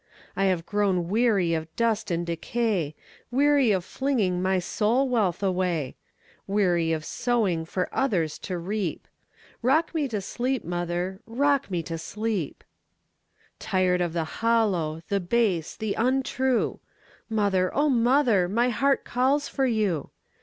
I have grown weary of dust and decay,—Weary of flinging my soul wealth away; Weary of sowing for others to reap;—Rock me to sleep, mother,—rock me to sleep! Tired of the hollow, the base, the untrue, Mother, O mother, my heart calls for you!